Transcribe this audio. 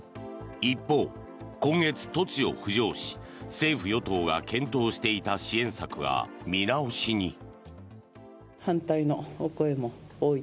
一方、今月、突如浮上し政府・与党が検討していた支援策が見直しに。